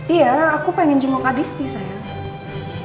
iya aku pengen jengok adisti sayang